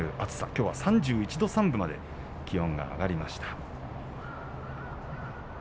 きょうは３１．３度まで気温が上がりました。